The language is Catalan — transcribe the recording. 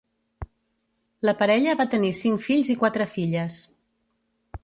La parella va tenir cinc fills i quatre filles.